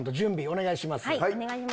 お願いします。